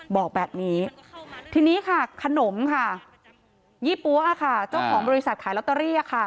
บอกแบบนี้ทีนี้ค่ะขนมค่ะยี่ปั๊วเจ้าของบริษัทขายลอตเตอรี่